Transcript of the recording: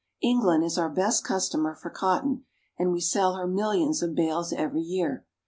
England is our best customer for cotton, and we sell her millions of bales every year.